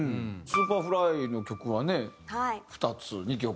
Ｓｕｐｅｒｆｌｙの曲はね２つ２曲。